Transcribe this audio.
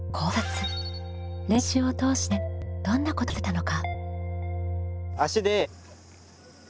練習を通してどんなことに気付いたのか。